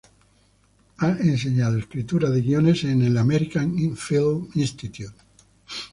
Ha enseñado escritura de guiones en el American Film Institute.